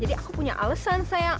jadi aku punya alesan sayang